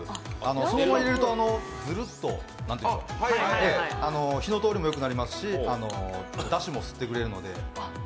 そのまま入れるとずるっと火の通りもよくなりますしだしも吸ってくれますので。